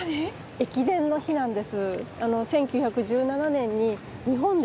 駅伝の碑なんです。